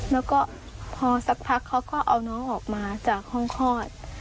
แล้วก็พอสักพักเขาก็เอาน้องออกมาจากห้องคลอด